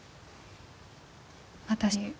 私